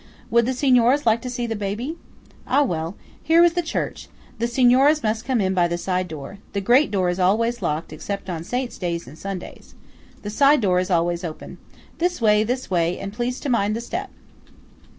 Would the Signoras like to see the baby? Ah, well–here was the church. The Signoras must come in by the side door. The great door is always locked, except on Saints' days and Sundays. The side door is always open. This way–this way; and please to mind the step!"